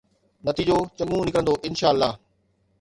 نتيجو چڱو نڪرندو، انشاءَ الله.